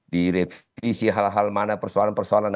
direvisi hal hal mana persoalan persoalan